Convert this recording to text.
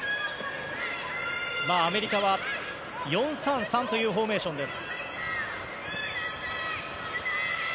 アメリカは４−３−３というフォーメーションです。